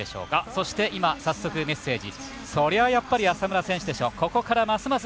そして、早速メッセージ。